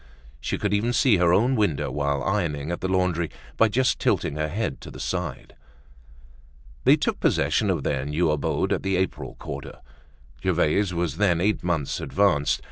She could even see her own window while ironing at the laundry by just tilting her head to the side. They took possession of their new abode at the April quarter. Gervaise was then eight months advanced.